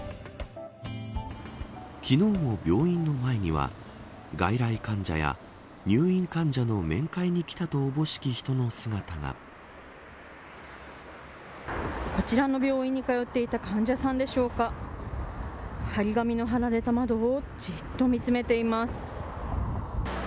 昨日も病院の前には外来患者や入院患者の面会にこちらの病院に通っていた患者さんでしょうか貼り紙の貼られた窓をじっと見つめています。